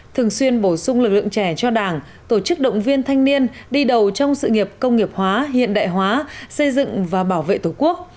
thường xuyên bổ sung lực lượng trẻ cho đảng tổ chức động viên thanh niên đi đầu trong sự nghiệp công nghiệp hóa hiện đại hóa xây dựng và bảo vệ tổ quốc